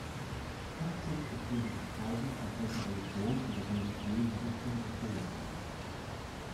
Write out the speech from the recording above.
Faktisch ist jedoch entscheidend, aus welcher Religion oder religiösen Richtung der Träger stammt.